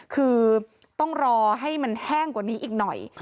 คือต้องรอให้มันแห้งกว่านี้อีกหน่อย